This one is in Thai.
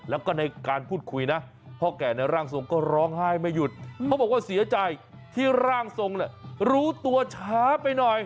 แล้วก็ในการพูดคุยนะพ่อแก่ในร่างทรงก็ร้องไห้ไม่หยุดเขาบอกว่าเสียใจที่ร่างทรงรู้ตัวช้าไปหน่อย